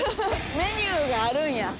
メニューがあるんや。